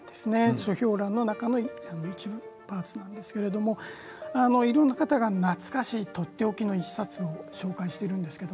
書評欄の中の一部なんですけれどいろんな方が懐かしいとっておきの１冊を紹介しています。